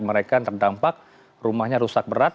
mereka yang terdampak rumahnya rusak berat